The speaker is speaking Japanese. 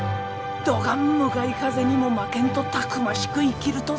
どがん向かい風にも負けんとたくましく生きるとぞ。